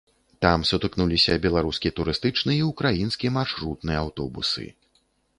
Там сутыкнуліся беларускі турыстычны і ўкраінскі маршрутны аўтобусы.